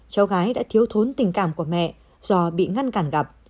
cháu gái đã thiếu thốn tình cảm của mẹ do bị ngăn cản gặp